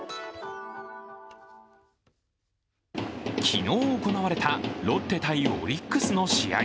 昨日行われたロッテ×オリックスの試合。